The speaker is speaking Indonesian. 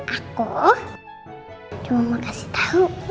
aku cuma mau kasih tahu